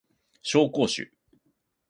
紹興酒